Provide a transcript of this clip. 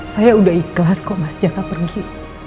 saya udah ikhlas kok mas jaka pergi